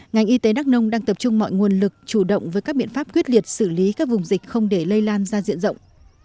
ngành y tế đắk nông đang tập trung mọi nguồn lực chủ động với các biện pháp quyết liệt xử lý các vùng dịch không để lây lan ra diện rộng